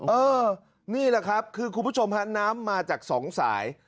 เออนี่แหละครับคือคุณผู้ชมฮะน้ำมาจากสองสาย